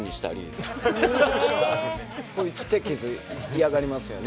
こういうちっちゃい傷嫌がりますよね？